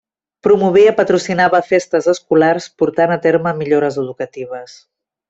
Promovia i patrocinava festes escolars portant a terme millores educatives.